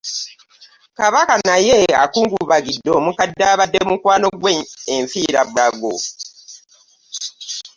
Kabaka naye akungubagidde omukadde abadde mukwano gwe nfiira bulago.